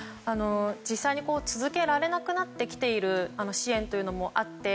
実際に続けられなくなってきている支援もあって。